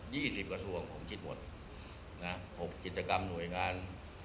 สิบกระทรวงผมคิดหมดนะหกกิจกรรมหน่วยงาน